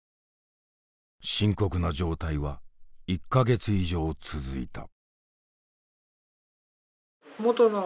深刻な状態は１か月以上続いた。